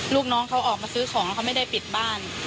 ลูกน้องเขาออกมาซื้อของเขาไม่ได้ปิดบ้าน